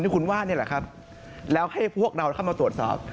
ที่คุณว่านี่แหละครับแล้วให้พวกเราเข้ามาตรวจสอบ